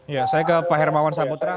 ya saya ke pak hermawan saputra